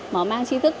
mở mang trí thức